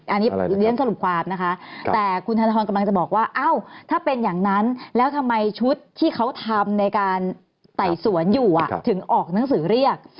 อันนี้เรียนสรุปความนะคะแต่คุณธนทรกำลังจะบอกว่าเอ้าถ้าเป็นอย่างนั้นแล้วทำไมชุดที่เขาทำในการไต่สวนอยู่ถึงออกหนังสือเรียก